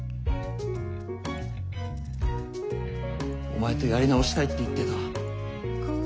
お前とやり直したいって言ってた。